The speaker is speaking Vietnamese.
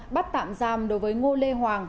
bắt tạm giam đối với ngô lê hoàng